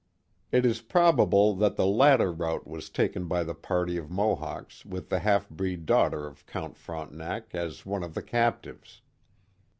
It is probable that the latter route was taken by the party of Mohawks with the half breed daughter of Count Frontenac, as one of the captives.